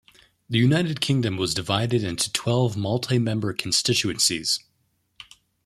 The United Kingdom was divided into twelve multi-member constituencies.